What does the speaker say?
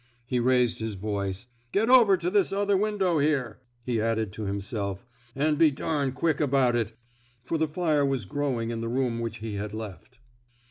He raised his voice: Get over to this other window here.'* (He added to himself: An' be dam quick about it; " for the fire was growing in the room which he had left.)